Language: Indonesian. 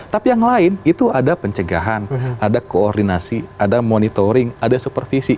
tapi yang lain itu ada pencegahan ada koordinasi ada monitoring ada supervisi